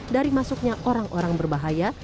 dari masuknya orang orang berbahaya